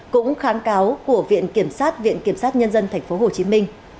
cũng kháng cáo của viện kiểm sát viện kiểm sát nhân dân tp hcm